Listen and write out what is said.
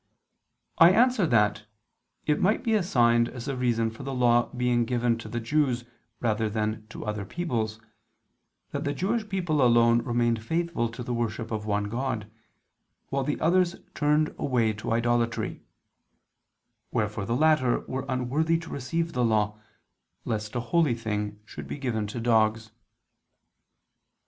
I answer that, It might be assigned as a reason for the Law being given to the Jews rather than to other peoples, that the Jewish people alone remained faithful to the worship of one God, while the others turned away to idolatry; wherefore the latter were unworthy to receive the Law, lest a holy thing should be given to dogs.